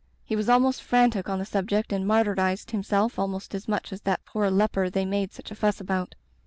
He was almost frantic on the subject and martyrized himself almost as much as that poor leper they made such a fuss about.